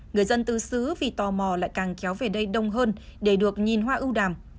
người dân tứ xứ vì tò mò lại càng kéo về đây đông hơn để được nhìn hoa ưu đàm